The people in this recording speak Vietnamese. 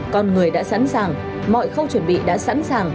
con người đã sẵn sàng mọi khâu chuẩn bị đã sẵn sàng